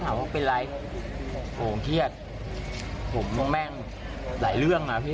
ผมถามว่าเป็นไรโอ้โหเพรียดผมแม่งหลายเรื่องมาพี่